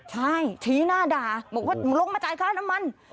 ใช่ชี้หน้าด่าบอกว่ามึงลงมาจ่ายค่าน้ำมัน